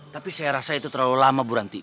tapi saya rasa itu terlalu lama buranti